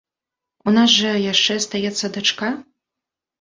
У нас жа яшчэ астаецца дачка?